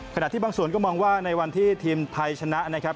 ขณะที่บางส่วนก็มองว่าในวันที่ทีมไทยชนะนะครับ